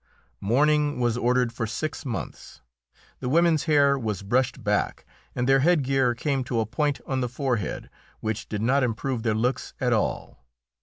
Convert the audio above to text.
Mourning was ordered for six months. The women's hair was brushed back, and their headgear came to a point on the forehead, which did not improve their looks at all.